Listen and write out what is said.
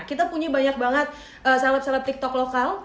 kita punya banyak banget seleb seleb tiktok lokal